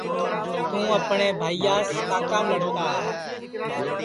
توں اپٹؔؔے بھائیاس کاکام لڑتا ہے